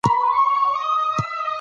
دا متن سکون بښونکی دی.